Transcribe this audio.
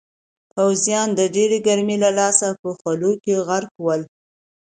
پوځیان د ډېرې ګرمۍ له لاسه په خولو کې غرق ول.